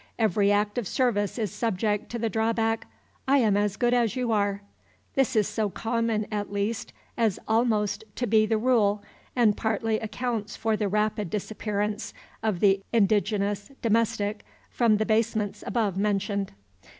Every act of service is subject to the drawback, "I am as good as you are." This is so common, at least, as almost to be the rule, and partly accounts for the rapid disappearance of the indigenous "domestic" from the basements above mentioned.